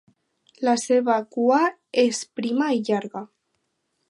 La seva cua és prima i llarga.